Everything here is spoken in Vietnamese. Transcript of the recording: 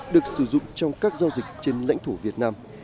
được sử dụng trong các giao dịch trên lãnh thổ việt nam